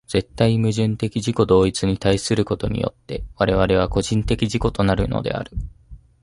絶対矛盾的自己同一に対することによって我々は個人的自己となるのである。